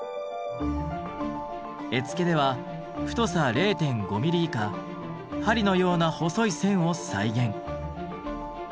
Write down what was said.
絵付けでは太さ０．５ミリ以下針のような細い線を再現。